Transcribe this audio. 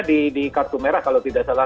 di kartu merah kalau tidak salah